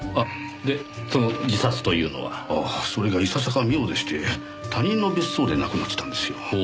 でその自殺というのは？それがいささか妙でして他人の別荘で亡くなってたんですよ。